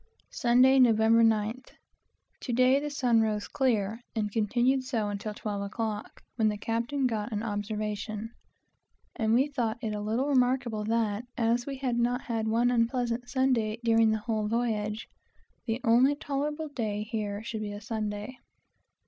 Sunday, Nov. 9th. To day the sun rose clear and continued so until twelve o'clock, when the captain got an observation. This was very well for Cape Horn, and we thought it a little remarkable that, as we had not had one unpleasant Sunday during the whole voyage, the only tolerable day here should be a Sunday.